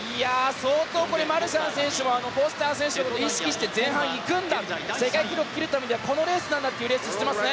相当、マルシャン選手もフォスター選手のことを意識して前半行くんだ世界記録を切るためにはこのレースなんだというレースをしてますね。